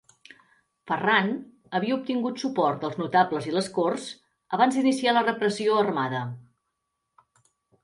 Ferran havia obtingut suport dels notables i les Corts abans d'iniciar la repressió armada.